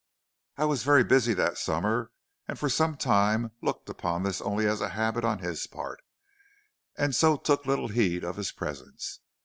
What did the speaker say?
"I was very busy that summer, and for some time looked upon this only as a habit on his part, and so took little heed of his presence.